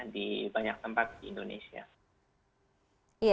di banyak tempat di indonesia